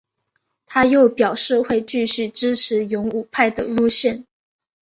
他又表示会继续支持勇武派的路线。